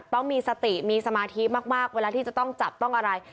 ต้องมีสติมีสมาธิมากเวลาที่จะต้องจับต้องอะไร